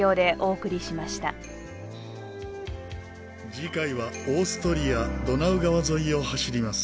次回はオーストリアドナウ川沿いを走ります。